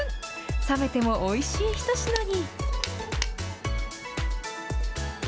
冷めてもおいしい一品に。